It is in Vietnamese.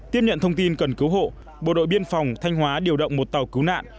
tiếp nhận thông tin cần cứu hộ bộ đội biên phòng thanh hóa điều động một tàu cứu nạn